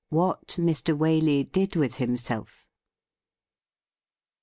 WHAT MR. WALEY DID WITH HIMSELP'.